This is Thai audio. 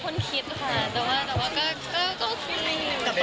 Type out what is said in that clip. ที่ดีที่สุดของผู้ดู